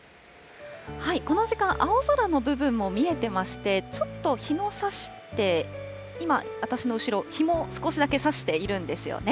この時間、青空の部分も見えてまして、ちょっと日もさして、今、私の後ろ、日も少しだけさしているんですよね。